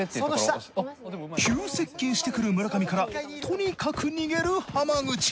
急接近してくる村上からとにかく逃げる浜口。